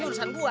ini urusan gua